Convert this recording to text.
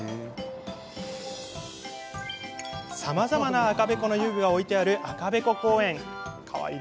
さまざまな赤べこの遊具が置いてある赤べこ公園。